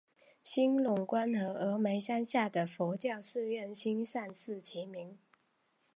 兴隆观和峨嵋山下的佛教寺院兴善寺齐名。